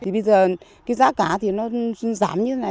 bây giờ giá cá thì nó giảm như thế này